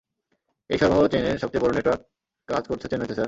এই সরবরাহ চেইনের সবচেয়ে বড়ো নেটওয়ার্ক কাজ করছে চেন্নাইতে, স্যার।